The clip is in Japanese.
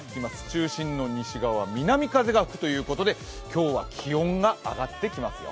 中心から南風が吹くということで今日は気温が上がってきますよ。